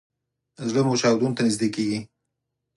زړه مو چاودون ته نږدې کیږي